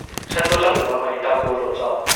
餐桌上有滿滿一大鍋肉燥